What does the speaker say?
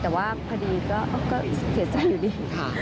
แต่ว่าพอดีก็เกลียดใจอยู่ดี